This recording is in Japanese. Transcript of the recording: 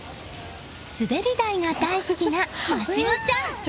滑り台が大好きな真白ちゃん。